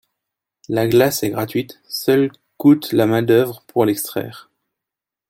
La glace est gratuite, seule coûte la main-d'œuvre pour l'extraire.